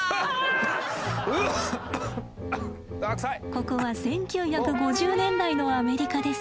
ここは１９５０年代のアメリカです。